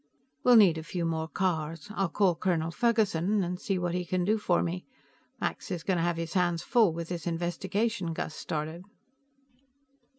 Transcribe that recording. "We'll need a few more cars. I'll call Colonel Ferguson and see what he can do for me. Max is going to have his hands full with this investigation Gus started."